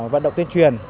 vận động tuyên truyền